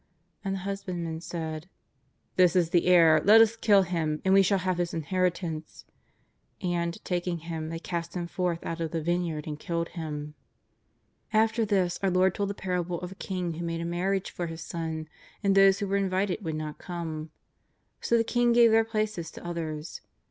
And the husbandmen said :" This is the heir, let us kill him and we shall have his in heritance." And, taking him, they cast him forth out of the vineyard and killed him. After this our Lord told the parable of a king who made a marriage for his son, and those who were in vited would not come. So the king gave their places to others.